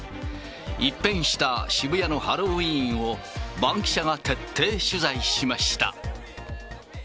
一変した渋谷のハロウィーンを、バンキシャが徹底取材しました。